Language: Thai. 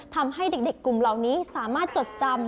ทำให้เด็กกลุ่มเหล่านี้สามารถจดจำ